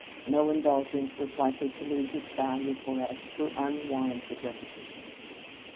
No indulgence was likely to lose its value for us through unwar ranted repetition.